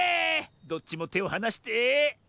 どっちもてをはなして。